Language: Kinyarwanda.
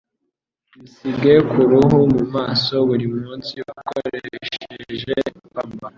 Bisige ku ruhu mu maso buri munsi, ukoresheje ipamba.